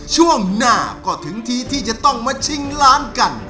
ช่วงหน้าก็ถึงทีที่จะต้องมาชิงล้านกัน